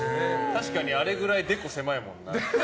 確かにあれくらいデコ狭いもんな。